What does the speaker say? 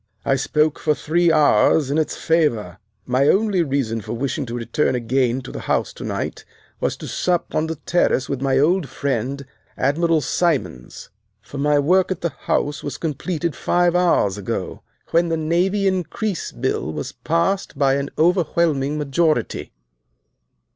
I spoke for three hours in its favor. My only reason for wishing to return again to the House to night was to sup on the terrace with my old friend, Admiral Simons; for my work at the House was completed five hours ago, when the Navy Increase Bill was passed by an overwhelming majority."